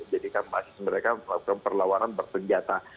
jadikan basis mereka perlawanan berpenjata